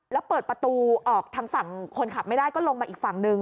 แล้วเปิดประตูออกทางฝั่งคนขับไม่ได้ก็ลงมาอีกฝั่งหนึ่ง